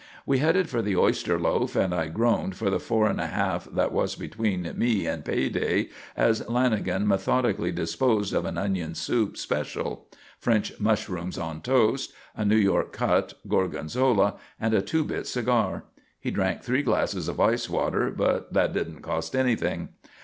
We headed for the Oyster Loaf, and I groaned for the four and a half that was between me and pay day as Lanagan methodically disposed of an onion soup, special; French mushrooms on toast, a New York cut, Gorgonzola, and a two bit cigar. He drank three glasses of ice water, but that didn't cost anything.